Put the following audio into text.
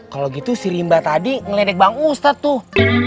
kalo gitu si rimba tadi ngeledek bang ustadz tuh